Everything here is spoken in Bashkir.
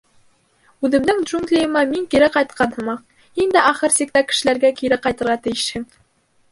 — Үҙемдең джунглийыма мин кире ҡайтҡан һымаҡ, һин дә ахыр сиктә кешеләргә кире ҡайтырға тейешһең.